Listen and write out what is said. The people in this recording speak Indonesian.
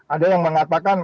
ada yang mengatakan